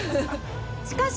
しかし。